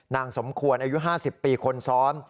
สมควรอายุ๕๐ปีคนซ้อน